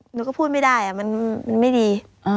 หนูก็พูดไม่ได้มันไม่ดี